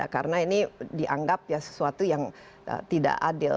karena ini dianggap ya sesuatu yang tidak adil